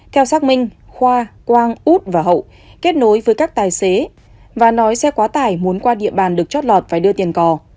theo xác minh khoa quang út và hậu kết nối với các tài xế và nói xe quá tải muốn qua địa bàn được chót lọt và đưa tiền cò